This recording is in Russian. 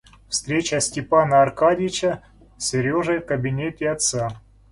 Встреча Степана Аркадьича с Сережей в кабинете отца.